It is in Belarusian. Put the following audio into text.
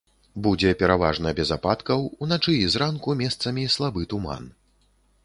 Будзе пераважна без ападкаў, уначы і зранку месцамі слабы туман.